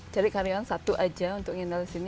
cari karyawan satu aja untuk ngendalas ini